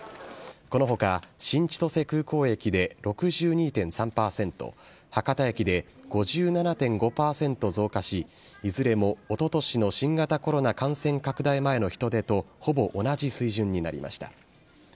このほか、新千歳空港駅で６２．３％、博多駅で５７．５％増加し、いずれもおととしの新型コロナ感染拡大前の人出と、ほぼ同じ水準になりました。